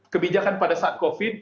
kebijakan pada saat covid